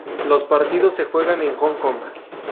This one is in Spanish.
Los partidos se jugaron en Hong Kong.